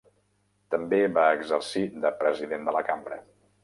També va exercir de president de la Cambra.